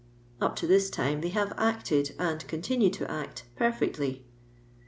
* Up to this time they have acted, and continue to act, perfectly.